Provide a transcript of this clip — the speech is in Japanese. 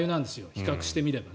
比較してみれば。